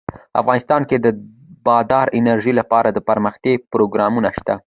افغانستان کې د بادي انرژي لپاره دپرمختیا پروګرامونه شته.